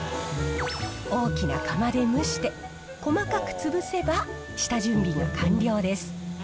大きな釜で蒸して、細かく潰せば、下準備が完了です。